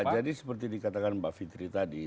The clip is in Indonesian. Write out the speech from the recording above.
ya jadi seperti dikatakan mbak fitri tadi